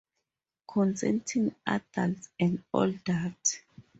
Consenting adults and all that.